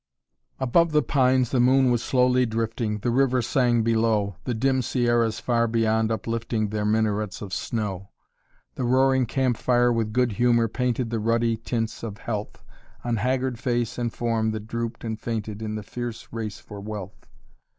"Above the pines the moon was slowly drifting, The river sang below, The dim Sierras far beyond uplifting Their minarets of snow. The roaring campfire with good humor painted The ruddy tints of health On haggard face and form that drooped and fainted In the fierce race for wealth.